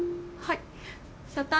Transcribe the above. はい。